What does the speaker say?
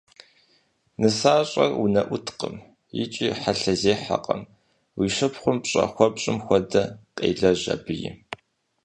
Нысащӏэр унэӏуткъым, икӏи хьэлъэзехьэкъым, уи шыпхъум пщӏэ хуэпщӏым хуэдэ къелэжь абыи.